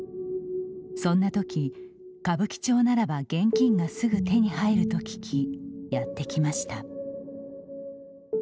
そんなとき歌舞伎町ならば現金がすぐ手に入ると聞きやってきました。